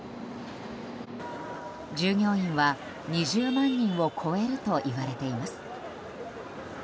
従業員は２０万人を超えるといわれています。